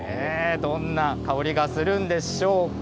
どんな香りがするんでしょうか。